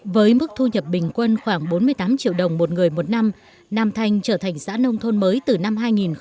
với mức thu nhập bình quân khoảng bốn mươi tám triệu đồng một người một năm nam thanh trở thành xã nông thôn mới từ năm hai nghìn một mươi năm